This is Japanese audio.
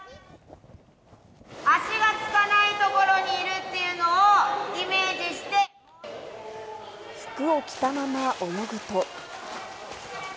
足がつかない所にいるってい服を着たまま泳ぐと。